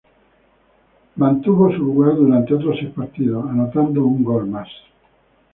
El mantuvo su lugar durante otros seis partidos, anotando un gol más.